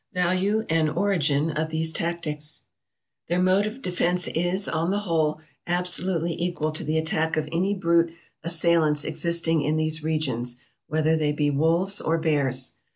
Value and Origin of these Tactics "Their mode of defence is, on the whole, absolutely equal to the attack of any brute assailants existing in these regions, whether they be bears or wolves.